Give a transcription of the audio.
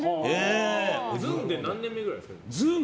ずんで何年目ぐらいですか？